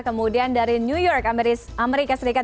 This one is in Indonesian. kemudian dari new york amerika serikat